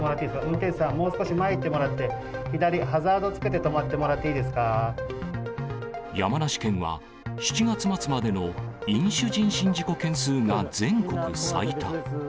運転手さん、もう少し前へ行ってもらって、左、ハザードつけて止まってもら山梨県は７月末までの飲酒人身事故件数が全国最多。